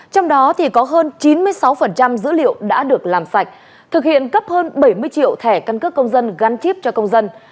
trong đó có hơn chín mươi sáu dữ liệu đã được làm sạch thực hiện cấp hơn bảy mươi triệu thẻ căn cước công dân gắn chip cho công dân